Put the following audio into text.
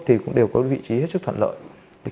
thì cũng đều có vị trí hết sức thuận lợi